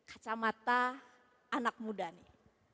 apa cara cara kreatifnya dari kacamata anak muda nih